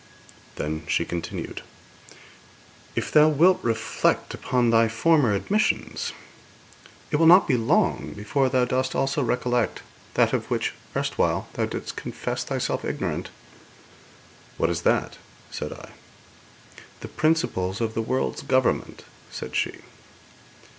Then she continued: 'If thou wilt reflect upon thy former admissions, it will not be long before thou dost also recollect that of which erstwhile thou didst confess thyself ignorant.' 'What is that?' said I. 'The principles of the world's government,' said she.